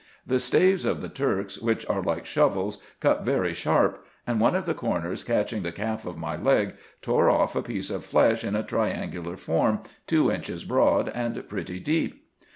The staves of the Turks, which are like shovels, cut very sharp; and one of the corners, catching the calf of my leg, tore off a piece of flesh in a triangular form, two inches broad, and pretty deep.